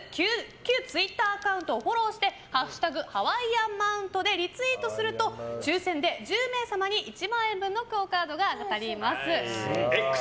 旧ツイッターアカウントをフォローして「＃ハワイアンマウント」でリツイートすると抽選で１０名様に１万円分のＱＵＯカードが当たります。